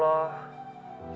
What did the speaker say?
kamu semua tuju